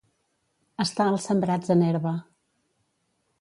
Estar els sembrats en herba.